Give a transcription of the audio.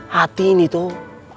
hati ini tuh